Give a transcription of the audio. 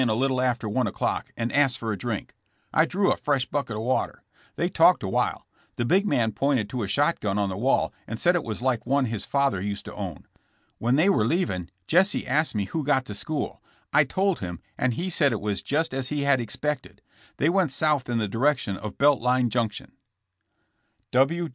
a little after one o^clock and asked for a drink. I drew a fresh bucket of water. They talked awhile. The big man pointed to a shot gun on the wall and said it was like one his father used to own. When they were leaving Jesse asked me who got the school. I told him and he said it was just as he had expected. They went south in the direction of Belt Line junction."